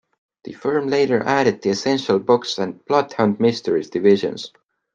The firm later added the Essential Books and Bloodhound Mysteries divisions.